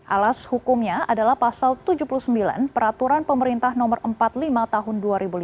alas hukumnya adalah pasal tujuh puluh sembilan peraturan pemerintah nomor empat puluh lima tahun dua ribu lima belas